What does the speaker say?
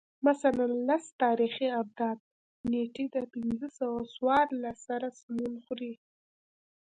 مثلاً لس تاریخي آبدات نېټې د پنځه سوه څوارلس سره سمون خوري